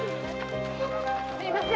すみません。